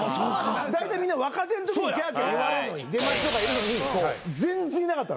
だいたいみんな若手のときにキャーキャー言われんのに出待ちとかいるのに全然いなかったんですから。